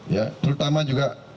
ya terutama juga